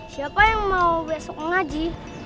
siapa yang mau besok ngaji